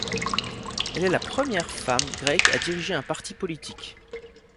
Elle est la première femme grecque à diriger un parti politique.